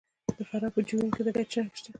د فراه په جوین کې د ګچ کان شته.